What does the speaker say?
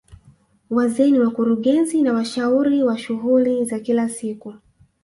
Wazee ni wakurugenzi na washauri wa shughuli za kila siku